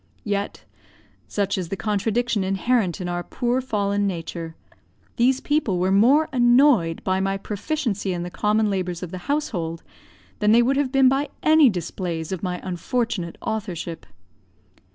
Yet such is the contradiction inherent in our poor fallen nature these people were more annoyed by my proficiency in the common labours of the household, than they would have been by any displays of my unfortunate authorship.